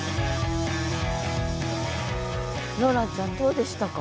ローランちゃんどうでしたか？